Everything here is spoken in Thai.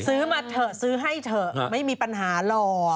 มาเถอะซื้อให้เถอะไม่มีปัญหาหรอก